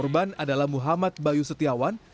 korban adalah muhammad bayu setiawan